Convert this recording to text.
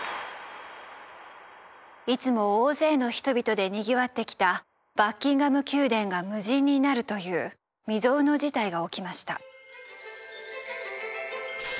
いつも大勢の人々でにぎわってきたバッキンガム宮殿が無人になるという未曽有の事態が起きました。